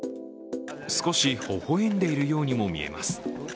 少し微笑んでいるようにも見えます。